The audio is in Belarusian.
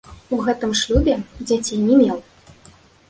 У гэтым шлюбе дзяцей не меў.